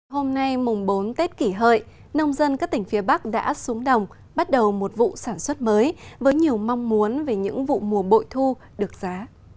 hôm nay mùng bốn tết kỷ hợi nông dân các tỉnh phía bắc đã xuống đồng bắt đầu một vụ sản xuất mới với nhiều mong muốn về những vụ mùa bội thu được giá